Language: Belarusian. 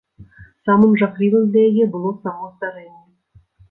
Самым жахлівым для яе было само здарэнне.